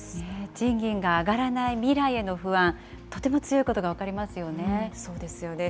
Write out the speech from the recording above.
賃金が上がらない未来への不安、とても強いことが分かりますそうですよね。